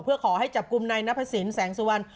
เพื่อขอให้จับกลุ่มนายนพสินแสงสุวรรณ